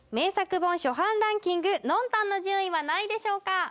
本初版ランキングノンタンの順位は何位でしょうか？